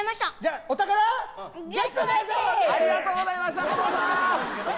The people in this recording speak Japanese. ありがとうございました後藤さん！